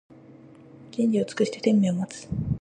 じんじをつくしててんめいをまつ